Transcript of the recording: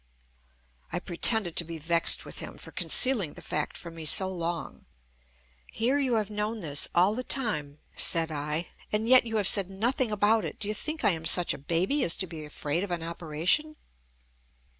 I pretended to be vexed with him for concealing the fact from me so long. "Here you have known this all the time," said I, "and yet you have said nothing about it! Do you think I am such a baby as to be afraid of an operation?"